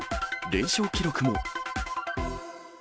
連勝記録も。